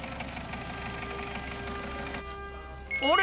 あれ？